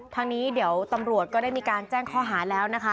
ทางนี้เดี๋ยวตำรวจก็ได้มีการแจ้งข้อหาแล้วนะคะ